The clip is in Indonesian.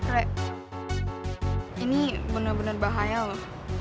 re ini bener bener bahaya loh